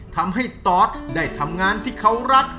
ทำให้ตอสได้ทำงานที่เขารัก